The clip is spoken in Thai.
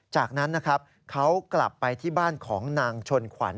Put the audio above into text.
จากนั้นนะครับเขากลับไปที่บ้านของนางชนขวัญ